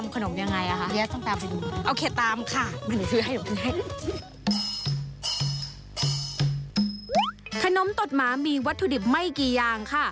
ขนมตดหมามีวัตถุดิบไม่กี่อย่างค่ะ